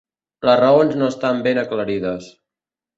Les raons no estan ben aclarides.